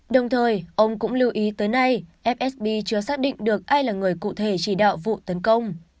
đồng thời ông cũng lưu ý tới nay fsb chưa xác định được ai là người cụ thể chỉ đạo vụ tấn công